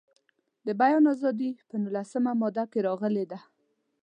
د بیان ازادي په نولسمه ماده کې راغلې ده.